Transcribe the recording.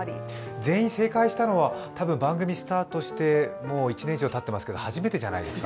全員正解したのは多分番組スタートしてもう１年以上たってますけど、多分初めてじゃないですか。